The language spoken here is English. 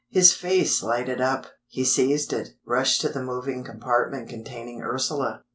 His face lighted up. He seized it, rushed to the moving compartment containing Ursula.